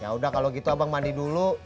ya udah kalau gitu abang mandi dulu